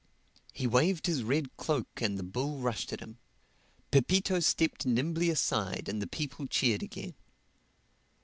He waved his red cloak and the bull rushed at him. Pepito stepped nimbly aside and the people cheered again.